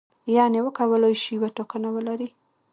یعنې وکولای شي یوه ټاکنه ولري.